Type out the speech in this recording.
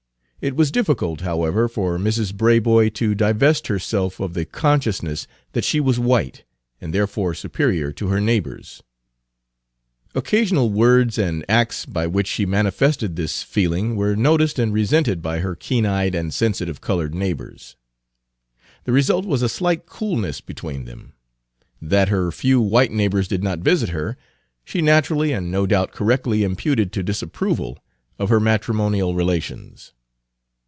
It was difficult, however, for Mrs. Braboy to divest herself of the consciousness that she was white, and therefore superior to her neighbors. Occasional words and acts by which she manifested this feeling were noticed and resented by her keen eyed and sensitive colored neighbors. The result was a slight coolness between them. That her few white neighbors did not visit her, she naturally and no doubt correctly imputed to disapproval of her matrimonial relations.